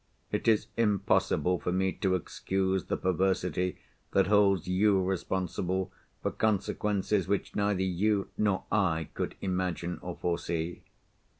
It is impossible for me to excuse the perversity that holds you responsible for consequences which neither you nor I could imagine or foresee.